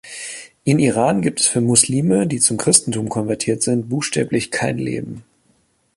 In Iran gibt es für Muslime, die zum Christentum konvertiert sind, buchstäblich kein Leben.